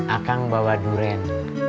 akan bawa durian